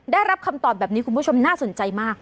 ได้รับคำตอบแบบนี้คุณผู้ชมน่าสนใจมาก